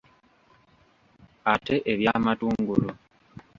Ate eby’amatungulu?